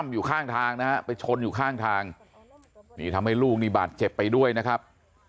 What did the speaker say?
อยู่ข้างทางนะฮะไปชนอยู่ข้างทางนี่ทำให้ลูกนี่บาดเจ็บไปด้วยนะครับ